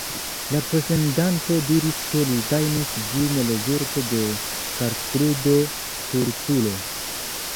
La posedanto diris, ke li gajnis ĝin rezulte de kartludo Stultulo.